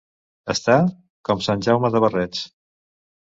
Estar... com sant Jaume de barrets.